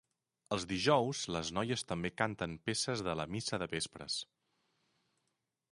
Els dijous, les noies també canten peces de la missa de vespres.